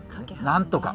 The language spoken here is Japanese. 何とか。